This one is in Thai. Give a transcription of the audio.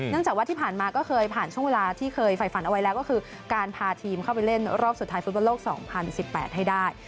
จากว่าที่ผ่านมาก็เคยผ่านช่วงเวลาที่เคยไฟฝันเอาไว้แล้วก็คือการพาทีมเข้าไปเล่นรอบสุดท้ายฟุตบอลโลก๒๐๑๘ให้ได้